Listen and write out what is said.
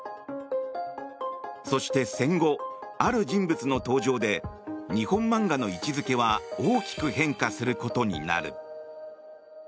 そして戦後、ある人物の登場で日本漫画の位置付けは大きく変化することになる。